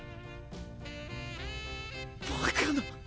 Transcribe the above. バカな。